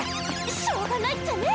しょうがないっちゃね。